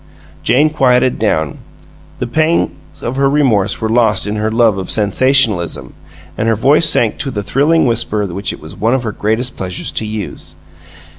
Jane quieted down. The pangs of her remorse were lost in her love of sensationalism, and her voice sank to the thrilling whisper which it was one of her greatest pleasures to use.